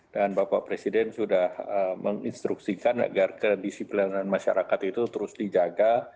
bapak presiden sudah menginstruksikan agar kedisiplinan masyarakat itu terus dijaga